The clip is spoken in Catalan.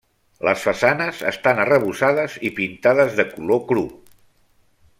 Les façanes estan arrebossades i pintades de color cru.